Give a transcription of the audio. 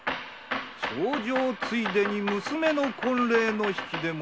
重畳ついでに娘の婚礼の引き出物